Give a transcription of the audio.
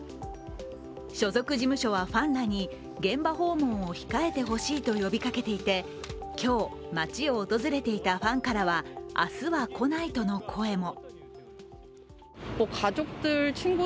所属事務所はファンらに現場訪問を控えてほしいと呼びかけていて、今日、街を訪れていたファンからは明日は来ないとの声も。